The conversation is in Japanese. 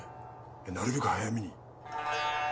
いやなるべく早めに。